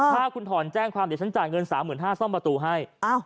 ถ้าคุณถอนแจ้งความเดี๋ยวฉันจ่ายเงิน๓๕๐๐ซ่อมประตูให้